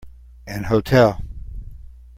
An hotel.